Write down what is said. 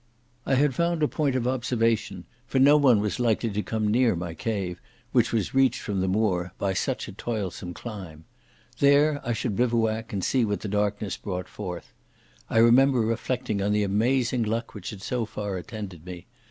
I had found a point of observation, for no one was likely to come near my cave, which was reached from the moor by such a toilsome climb. There I should bivouac and see what the darkness brought forth. I remember reflecting on the amazing luck which had so far attended me.